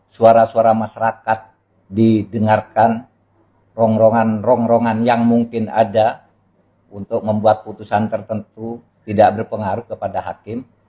suara suara masyarakat didengarkan rongrongan rongrongan yang mungkin ada untuk membuat putusan tertentu tidak berpengaruh kepada hakim